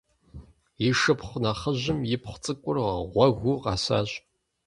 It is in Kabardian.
И шыпхъу нэхъыжьым ипхъу цӏыкӏур гъуэгыу къэсащ.